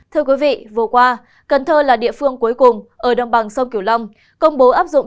thưa quý vị vừa qua cần thơ là địa phương cuối cùng ở đồng bằng sông kiểu long công bố áp dụng